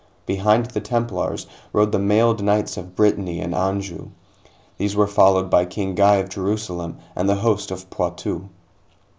Behind the Templars rode the mailed knights of Brittany and Anjou. These were followed by King Guy of Jerusalem and the host of Poitou.